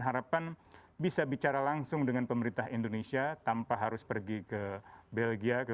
harapan bisa bicara langsung dengan pemerintah indonesia tanpa harus pergi ke belgia ke